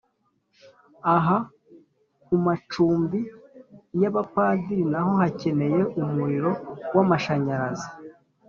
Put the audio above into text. aha ku macumbi y’abapadiri naho hakeneye umuriro w’amashanyarazi